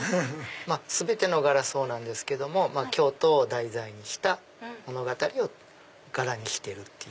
全ての柄そうなんですけども京都を題材にした物語を柄にしてるっていう。